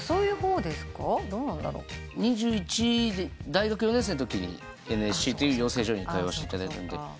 ２１。大学４年生のときにＮＳＣっていう養成所に通わせていただいたんで。